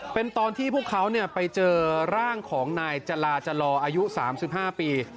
เป็นตอนที่พวกเขาเนี่ยไปเจอร่างของนายจราจรออายุสามสิบห้าปี